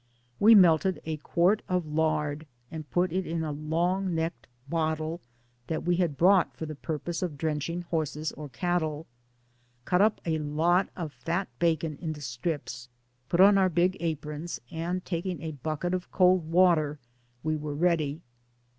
We melted a quart of lard and put it in a long necked bottle (that we had brought for the purpose of drenching horses or cat tle), cut up a lot of fat bacon into strips, put on our big aprons, and taking a bucket of cold water, we were ready.